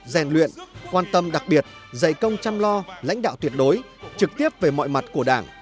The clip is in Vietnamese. rèn luyện quan tâm đặc biệt dạy công chăm lo lãnh đạo tuyệt đối trực tiếp về mọi mặt của đảng